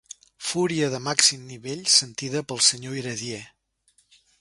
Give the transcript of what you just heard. Fúria de màxim nivell sentida pel senyor Iradier.